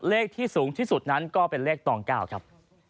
เลขที่สูงที่สุดนั้นก็เป็นเลขตอง๙ครับ